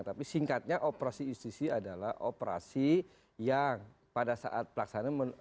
tapi singkatnya operasi justisi adalah operasi yang pada saat pelaksanaan